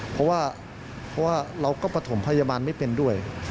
เพราะว่าเราก็ประถมพยาบาลไม่เป็นด้วย